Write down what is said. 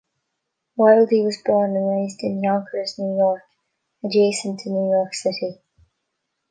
Wildey was born and raised in Yonkers, New York, adjacent to New York City.